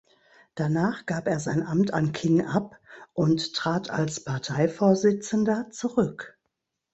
Danach gab er sein Amt an King ab und trat als Parteivorsitzender zurück.